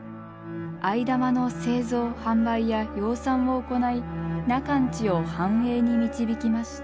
藍玉の製造販売や養蚕を行い中の家を繁栄に導きました。